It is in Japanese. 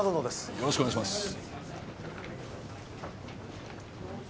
よろしくお願いします。